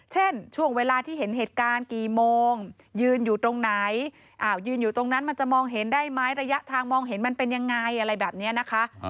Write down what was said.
เช่นช่วงเวลาที่เห็นเหตุการณ์กี่โมงยืนอยู่ตรงไหนยืนอยู่ตรงนั้นมันจะมองเห็นได้ไหมระยะทางมองเห็นมันเป็นยังไงอะไรแบบนี้นะคะ